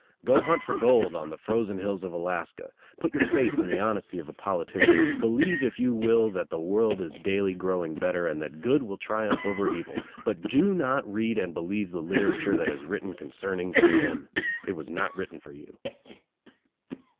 Go hunt for gold on the frozen hills of Alaska, put your faith in rr ^^ ni T U E E C G 49 the honesty of a politician, believe If you will that the world is daily growing better and that good will tri umph^ver evil, but do not read and believe the litera ture that is written concerning the hen. It was not written for you.